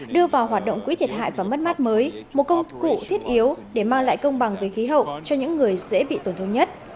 đưa vào hoạt động quỹ thiệt hại và mất mát mới một công cụ thiết yếu để mang lại công bằng về khí hậu cho những người dễ bị tổn thương nhất